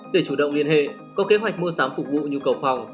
để chủ động liên hệ có kế hoạch mua sắm phục vụ nhu cầu phòng